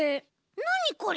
なにこれ？